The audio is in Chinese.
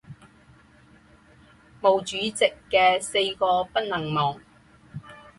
毛主席的四个不能忘！